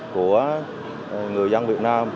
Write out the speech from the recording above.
của người dân việt nam